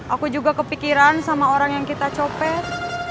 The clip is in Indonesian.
aku juga kepikiran sama orang yang kita copet